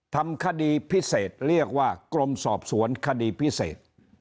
ทำคดีพิเศษเรียกว่ากรมสอบสวนคดีพิเศษ